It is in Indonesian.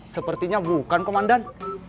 sepertinya bukan komandan